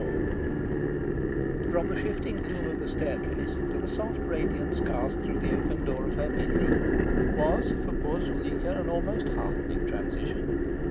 XXIV From the shifting gloom of the stair case to the soft radiance cast through the open door of her bedroom was for poor Zuleika an almost heartening transition.